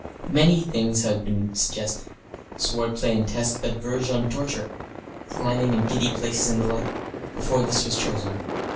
Many things had been suggested, swordplay and tests that verged on torture, climbing in giddy places and the like, before this was chosen.